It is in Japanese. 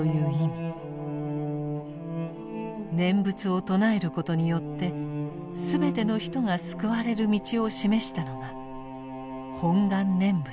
念仏を称えることによってすべての人が救われる道を示したのが「本願念仏」です。